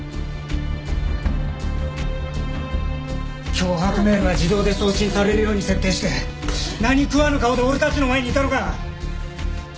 脅迫メールは自動で送信されるように設定して何食わぬ顔で俺たちの前にいたのか！